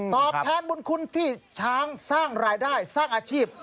ตอบแทนบุญคุณที่ช้างสร้างรายได้สร้างอาชีพ